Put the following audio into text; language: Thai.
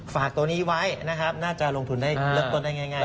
ฝากตัวนี้ไว้นะครับน่าจะลงทุนได้เริ่มต้นได้ง่าย